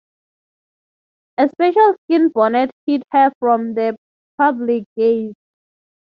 A special skin bonnet hid her from the public gaze.